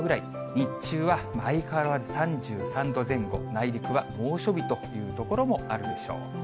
日中は相変わらず３３度前後、内陸は猛暑日という所もあるでしょう。